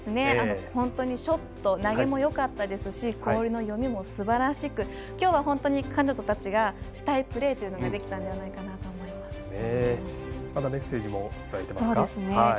本当にショット投げもよかったですし氷の読みもすばらしくきょうは本当に彼女たちがしたいプレーというのができたのではないかなと思います。